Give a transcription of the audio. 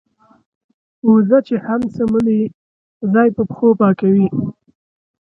وزه چې هم څملې ځای په پښو پاکوي.